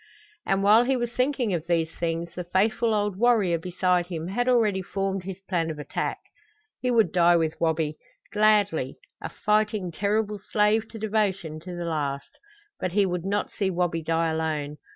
And while he was thinking of these things the faithful old warrior beside him had already formed his plan of attack. He would die with Wabi, gladly a fighting, terrible slave to devotion to the last; but he would not see Wabi die alone.